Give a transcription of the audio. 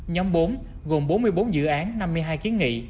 nhóm bốn gồm bốn mươi bốn dự án năm mươi hai kiến nghị